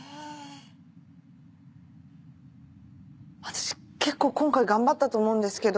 私結構今回頑張ったと思うんですけど。